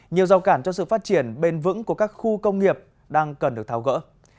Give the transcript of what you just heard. nhiều rào cản cho sự phát triển bền vững của các khu công nghiệp đang cần được tháo gỡ